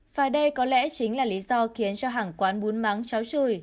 và đây có lẽ chính là lý do khiến cho hàng quán bún mắng cháo chửi